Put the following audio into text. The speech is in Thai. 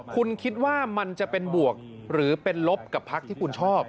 คุณคิดว่ามันจะเป็นบวกหรือเป็นลบกับพักที่คุณชอบ